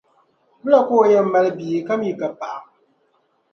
Wula ka o yɛn mali bia ka mi ka paɣa?